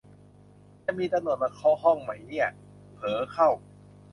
จะมีตะหนวดมาเคาะห้องมั้ยเนี่ย เผลอเข้า